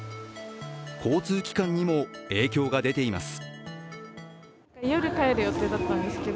交通機関にも影響が出ています。